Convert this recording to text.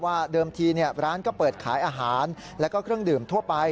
เดิมทีร้านก็เปิดขายอาหารแล้วก็เครื่องดื่มทั่วไป